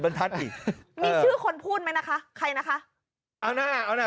บรรทัศน์อีกมีชื่อคนพูดไหมนะคะใครนะคะเอาหน้าเอาน่ะ